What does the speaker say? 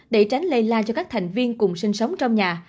để tránh lây la cho các thành viên cùng sinh sống trong nhà